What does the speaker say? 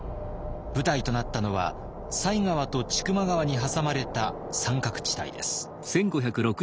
舞台となったのは犀川と千曲川に挟まれた三角地帯です。